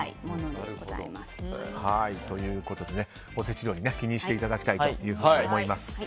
おせち料理気にしていただきたいと思います。